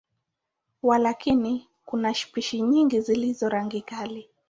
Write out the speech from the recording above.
Walakini, kuna spishi nyingi zilizo rangi kali.